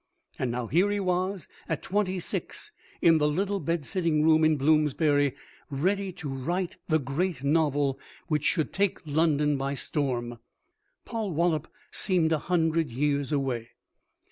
And now here he was, at twenty six, in the little bed sitting room in Bloomsbury, ready to write the great novel which should take London by storm. Polwollop seemed a hundred years away.